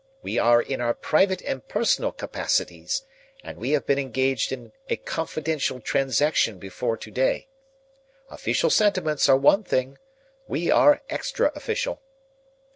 We are in our private and personal capacities, and we have been engaged in a confidential transaction before to day. Official sentiments are one thing. We are extra official."